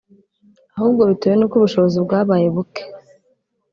ahubwo bitewe nuko ubushobozi bwabaye buke